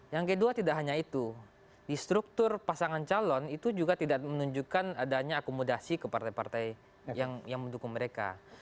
yang kedua tidak hanya itu di struktur pasangan calon itu juga tidak menunjukkan adanya akomodasi ke partai partai yang mendukung mereka